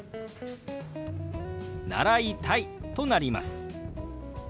「習いたい」となります。